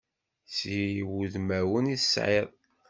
Si wudmawen i tesɛiḍ.